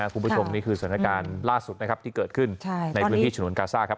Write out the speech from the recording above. คุณผู้ชมนี่คือสถานการณ์ล่าสุดนะครับที่เกิดขึ้นในพื้นที่ฉนวนกาซ่าครับ